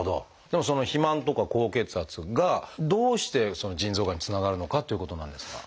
でもその肥満とか高血圧がどうして腎臓がんにつながるのかっていうことなんですが。